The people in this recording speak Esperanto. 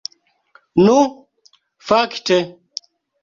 Nu fakte!